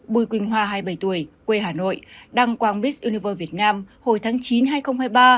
bùi quỳnh hoa hai mươi bảy tuổi quê hà nội đăng quang bix univer việt nam hồi tháng chín hai nghìn hai mươi ba